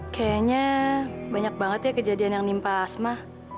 kayaknya banyak banget ya kejadian yang menimpa asma